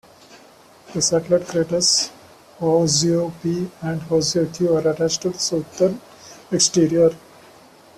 The satellite craters Houzeau P and Houzeau Q are attached to the southern exterior.